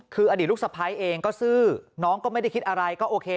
คืออดีตลูกสะพ้ายเองก็ซื่อน้องก็ไม่ได้คิดอะไรก็โอเค